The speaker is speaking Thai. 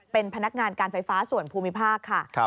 เป็นพนักงานการไฟฟ้าส่วนภูมิภาคค่ะ